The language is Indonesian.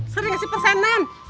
sering kasih persenan